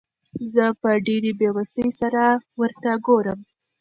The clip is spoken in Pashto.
زه په ډېرې بېوسۍ سره ورته ګورم.